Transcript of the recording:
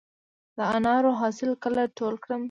د انارو حاصل کله ټول کړم؟